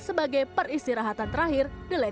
sebagai peristirahatan terakhir lady lex